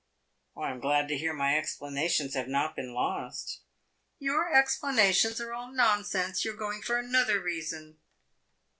"I am glad to hear my explanations have not been lost." "Your explanations are all nonsense. You are going for another reason."